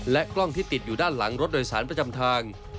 กล้องที่ติดอยู่ด้านหลังรถโดยสารประจำทาง